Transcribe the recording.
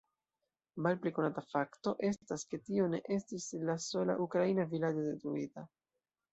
Malpli konata fakto estas, ke tio ne estis la sola ukrainia vilaĝo detruita.